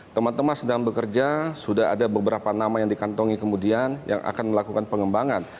teman teman sedang bekerja sudah ada beberapa nama yang dikantongi kemudian yang akan melakukan pengembangan